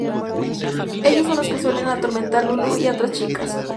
Ellos son los que suelen atormentar Lulu y a las otras chicas.